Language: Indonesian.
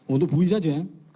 untuk bui saja